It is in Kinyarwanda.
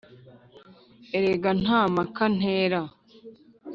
erega nta mpaka ntera...